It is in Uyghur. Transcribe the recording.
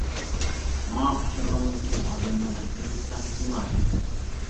ماڭا ئۇچرىغانلىكى ئادەملەرنىڭ ئېغىزىدا شۇلا گەپ.